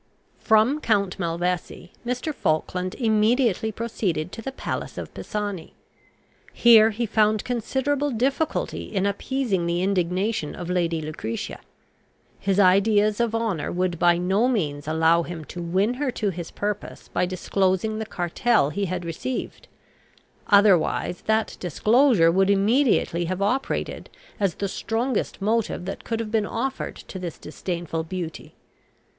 From Count Malvesi Mr. Falkland immediately proceeded to the palace of Pisani. Here he found considerable difficulty in appeasing the indignation of Lady Lucretia. His ideas of honour would by no means allow him to win her to his purpose by disclosing the cartel he had received; otherwise that disclosure would immediately have operated as the strongest motive that could have been offered to this disdainful beauty.